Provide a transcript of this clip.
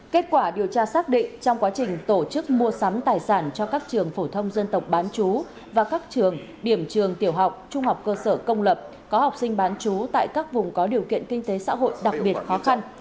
kết quả điều tra xác định trong quá trình tổ chức mua sắm tài sản cho các trường phổ thông dân tộc bán chú và các trường điểm trường tiểu học trung học cơ sở công lập có học sinh bán chú tại các vùng có điều kiện kinh tế xã hội đặc biệt khó khăn